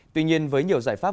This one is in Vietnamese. tuy nhiên với nhiều giải pháp